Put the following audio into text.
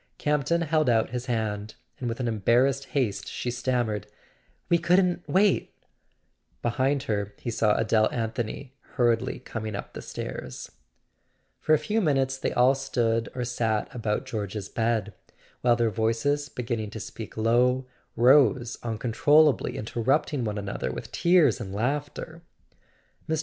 Campton held out his hand, and with an embarrassed haste she stammered: "we couldn't [ 405 ] A SON AT THE FRONT wait " Behind her he saw Adele Anthony hur¬ riedly coming up the stairs. For a few minutes they all stood or sat about George's bed, while their voices, beginning to speak low, rose uncontrollably, interrupting one another with tears and laughter. Mr.